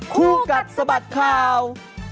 คู่กัดสะบัดข่าว